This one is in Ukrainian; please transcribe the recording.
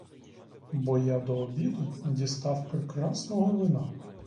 Бо я до обіду дістав прекрасного вина.